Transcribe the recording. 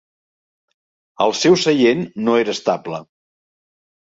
El seu seient no era estable.